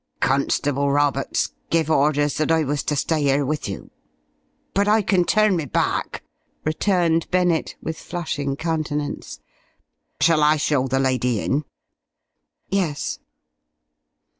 "Constable Roberts give orders that I was to stay 'ere with you but I can turn me back," returned Bennett, with flushing countenance. "Shall I show the lady in?" "Yes."